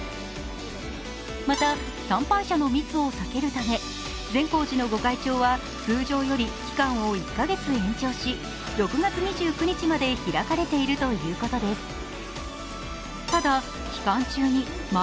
また、参拝者の密を避けるため善光寺の御開帳は通常より期間を１カ月延長し６月２９日まで開かれているということです。